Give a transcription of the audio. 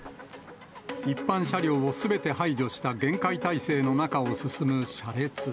一般車両をすべて排除した厳戒態勢の中を進む車列。